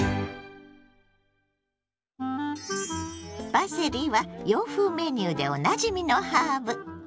パセリは洋風メニューでおなじみのハーブ。